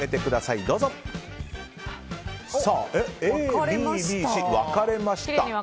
Ａ、Ｂ、Ｂ、Ｃと分かれました。